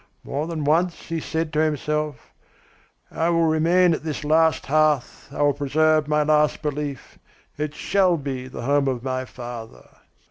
More than once he said to himself: 'I will remain at this last hearth, I will preserve my last belief. It shall be the home of my father.'"